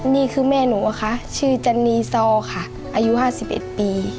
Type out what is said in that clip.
นี่คือแม่หนูค่ะชื่อจันนีซอค่ะอายุ๕๑ปี